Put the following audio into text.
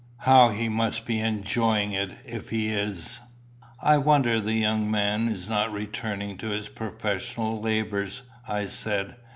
"How he must be enjoying it if he is!" "I wonder the young man is not returning to his professional labours," I said.